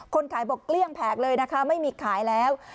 ขายบอกเกลี้ยงแผงเลยนะคะไม่มีขายแล้ว